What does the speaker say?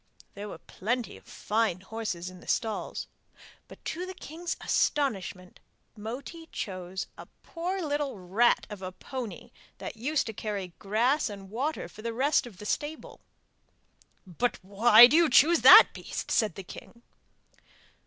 There were plenty of fine horses in the stalls, but to the king's astonishment Moti chose a poor little rat of a pony that was used to carry grass and water for the rest of the stable. 'But why do you choose that beast?' said the king.